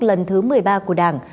lần thứ một mươi ba của đảng